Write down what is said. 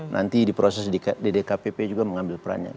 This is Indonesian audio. nanti di proses ddpkpp juga mengambil perannya